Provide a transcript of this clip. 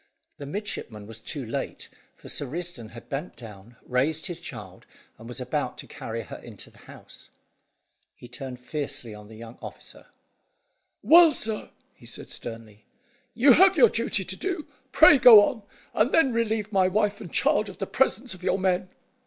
The midshipman was too late, for Sir Risdon had bent down, raised his child, and was about to carry her into the house. He turned fiercely on the young officer. "Well, sir," he said sternly, "you have your duty to do; pray go on, and then relieve my wife and child of the presence of your men."